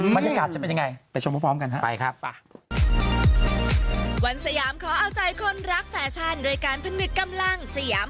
บรรยากาศจะเป็นยังไงไปชมพร้อมกันครับ